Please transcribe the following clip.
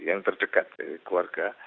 yang terdekat dari keluarga